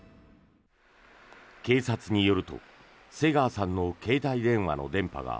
警察によると瀬川さんの携帯電話の電波が